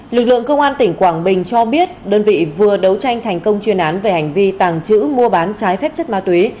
lực lượng công an tỉnh quảng bình cho biết đơn vị vừa đấu tranh thành công chuyên án về hành vi tàng trữ mua bán trái phép chất ma túy